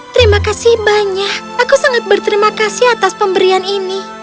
terima kasih banyak aku sangat berterima kasih atas pemberian ini